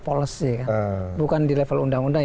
policy kan bukan di level undang undang